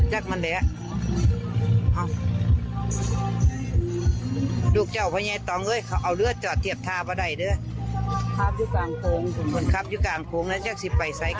หมุนซื่อซื่อกี่คว่าเวลานี้